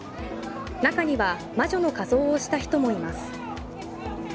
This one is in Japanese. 中には魔女の仮装をした人もいます。